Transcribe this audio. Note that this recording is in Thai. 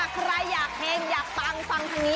ใครอยากเฮงอยากปังฟังทางนี้